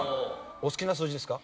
お好きな数字ですか？